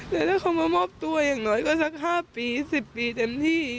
แล้วถ้าเขามามอบตัวอย่างน้อยก็สัก๕ปี๑๐ปีเต็มที่